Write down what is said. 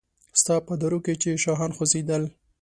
ستا په دارو کې چې شاهان خوځیدل